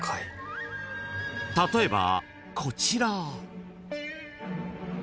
［例えばこちら］